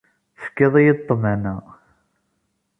Tefkiḍ-iyi-d ṭṭmana.